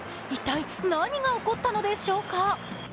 一体、何が起こったのでしょうか。